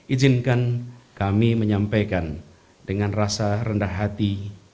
izinkan kami menyampaikan dengan rasa rendah hati